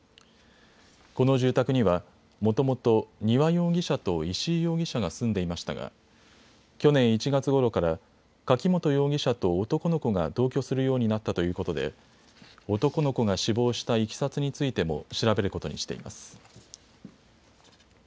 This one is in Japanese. この住宅にはもともと丹羽容疑者と石井容疑者が住んでいましたが去年１月ごろから柿本容疑者と男の子が同居するようになったということで男の子が死亡したいきさつについても調べることにしています。